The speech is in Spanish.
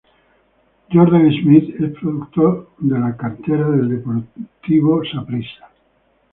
Jordan Smith es producto de la cantera del Deportivo Saprissa.